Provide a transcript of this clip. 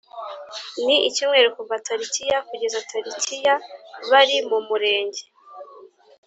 N icyumweru kuva tariki ya kugeza tariki ya bari mu murenge